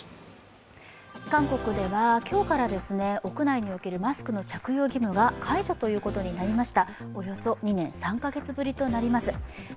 韓国では今日から屋内におけるマスクの着用義務が解除ということになりました。